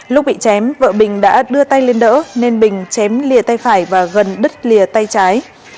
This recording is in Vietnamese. lúc bị chém vợ bình đã đưa tay lên đỡ nên bình chém lìa tay phải và gần đứt lìa tay trái